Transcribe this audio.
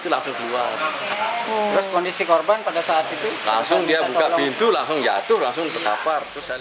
langsung dia buka pintu langsung jatuh langsung terkapar